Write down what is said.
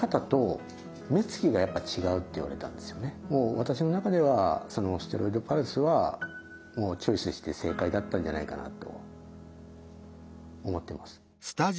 私の中ではステロイドパルスはチョイスして正解だったんじゃないかなと思ってます。